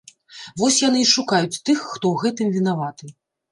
Вось яны і шукаюць тых, хто ў гэтым вінаваты.